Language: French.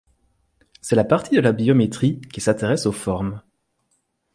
C'est la partie de la biométrie qui s'intéresse aux formes.